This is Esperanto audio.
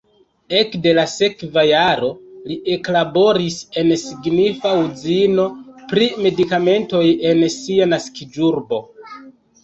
Ekde la sekva jaro li eklaboris en signifa uzino pri medikamentoj en sia naskiĝurbo.